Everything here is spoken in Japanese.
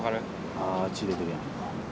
ああ血出てるやん。